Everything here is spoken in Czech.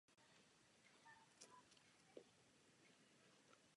Jsou bohatě řezané.